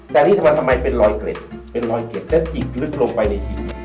แต่นี่ทำไมเป็นรอยเกร็ดถ้าจีบลึกลงไปในจิต